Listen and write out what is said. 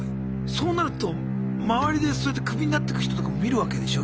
そうなると周りでそうやってクビになってく人とかも見るわけでしょ